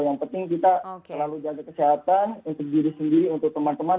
yang penting kita selalu jaga kesehatan untuk diri sendiri untuk teman teman